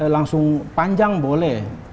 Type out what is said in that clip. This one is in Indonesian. langsung panjang boleh